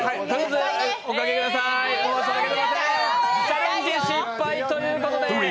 チャレンジ失敗ということで。